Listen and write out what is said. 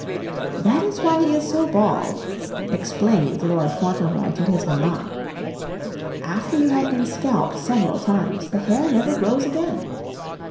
"That is why he is so bald," explained Lord Fauntleroy to his mamma. "After you have been scalped several times the hair never grows again.